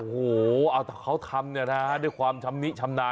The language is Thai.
โอ้โหเอาแต่เขาทำเนี่ยนะด้วยความชำนิชำนาญ